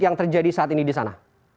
yang terjadi saat ini di sana